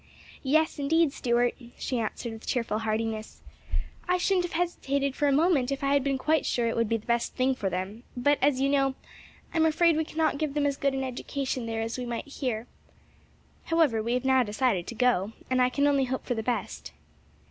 "Yes indeed, Stuart," she answered with cheerful heartiness. "I shouldn't have hesitated for a moment if I had been quite sure it would be the best thing for them; but, as you know, I'm afraid we can not give them as good an education there as we might here. However we have now decided to go, and I can only hope for the best.